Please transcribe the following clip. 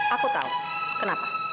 aku tahu kenapa